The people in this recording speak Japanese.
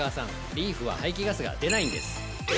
リーフは排気ガスが出ないんです！